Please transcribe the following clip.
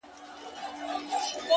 o اې ه څنګه دي کتاب له مخه ليري کړم ـ